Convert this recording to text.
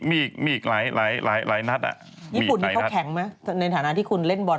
ญี่ปุ่นนี่เขาแข่งหรือไหมในฐานะที่คุณเล่นบอล